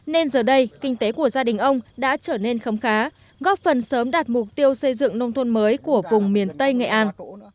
nên giờ đây kinh tế của gia đình ông đã trở nên khấm khá góp phần sớm đạt mục tiêu xây dựng nông thôn mới của vùng miền tây nghệ an